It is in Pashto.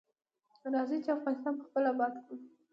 راځی چی افغانستان پخپله اباد کړو.